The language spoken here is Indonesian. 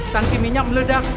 tangki minyak meledak